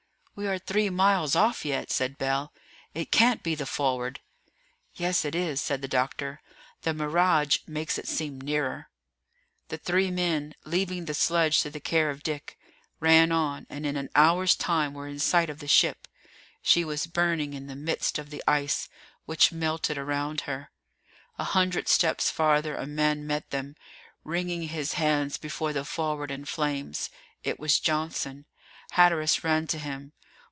"We are three miles off yet," said Bell; "it can't be the Forward." "Yes it is," said the doctor; "the mirage makes it seem nearer." The three men, leaving the sledge to the care of Dick, ran on, and in an hour's time were in sight of the ship. She was burning in the midst of the ice, which melted around her. A hundred steps farther a man met them, wringing his hands before the Forward in flames. It was Johnson. Hatteras ran to him.